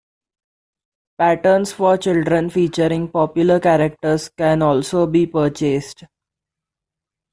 Patterns for children featuring popular characters can also be purchased.